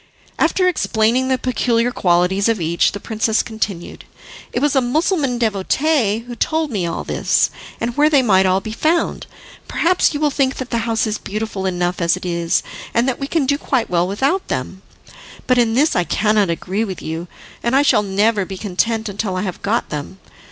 After explaining the peculiar qualities of each, the princess continued: "It was a Mussulman devotee who told me all this, and where they might all be found. Perhaps you will think that the house is beautiful enough as it is, and that we can do quite well without them; but in this I cannot agree with you, and I shall never be content until I have got them.